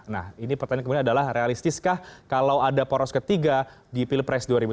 nah ini pertanyaan kemudian adalah realistiskah kalau ada poros ketiga di pilpres dua ribu sembilan belas